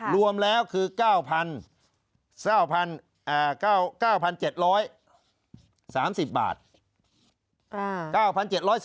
รวมแล้วคือ๙๙๗๓๐บาท